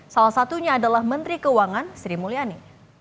salah satunya adalah menteri keuangan sri mulyani